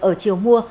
ở chiều mua